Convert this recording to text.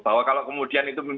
bahwa kalau kemudian itu